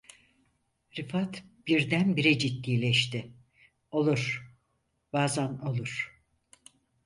Rifat birdenbire ciddileşti: "Olur, bazan olur…"